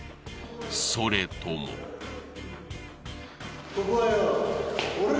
それともここはよ